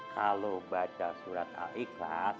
kalau baca surat al ikhlas